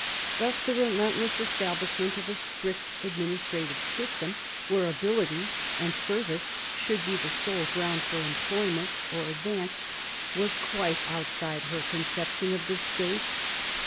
Thus, the relentless establishment of a strict administrative system, where ability and service should be the sole ground for employment or advance, was quite outside her conception of the State.